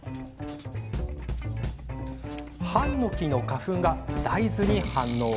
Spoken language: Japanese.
ハンノキの花粉が大豆に反応。